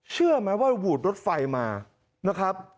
เชื่อไหมว่าหวูดรถไฟมานะครับ